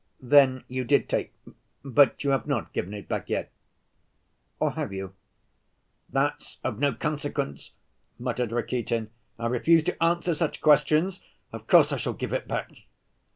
"Then you did take— But you have not given it back yet ... or have you?" "That's of no consequence," muttered Rakitin, "I refuse to answer such questions.... Of course I shall give it back."